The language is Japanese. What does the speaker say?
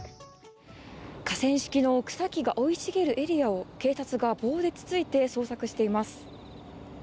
河川敷の草木が生い茂るエリアを警察が棒でつついて捜索しています。